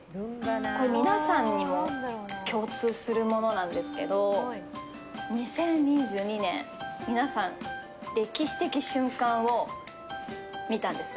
皆さんにも共通するものなんですけど２０２２年、皆さん歴史的瞬間を見たんです。